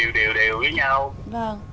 đi đều đều đều với nhau